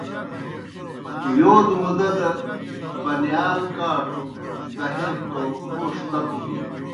یودوْ مُدا دہ بَنِیال کاٹھوْ دہیت توْ گوڙ تتوْ بِینوْ۔